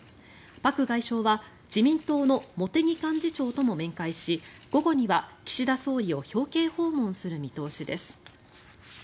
パク外相は自民党の茂木幹事長とも面会し午後には岸田総理を表敬訪問する見通しです。